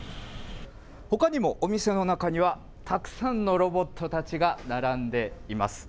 ほかにもお店の中には、たくさんのロボットたちが並んでいます。